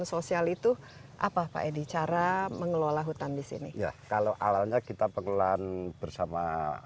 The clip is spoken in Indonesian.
sosial itu apa pak edi cara mengelola hutan di sini kalau awalnya kita pengelolaan bersama